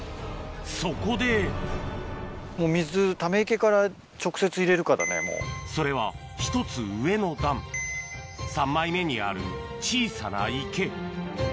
そこでそれは１つ上の段３枚目にある小さな池